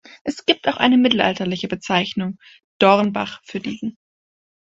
Es gibt auch eine mittelalterliche Bezeichnung Dornbach für diesen.